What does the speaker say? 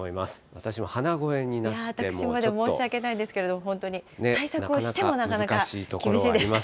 私も申し訳ないんですけど、本当に、対策をしてもなかなか厳しいです。